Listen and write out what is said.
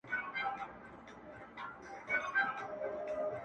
څوک انتظار کړي، ستا د حُسن تر لمبې پوري؟